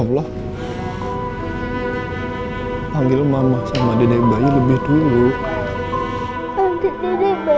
sampai jumpa di video selanjutnya